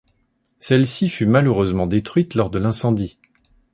Celle-ci fut malheureusement détruite lors de l'incendie.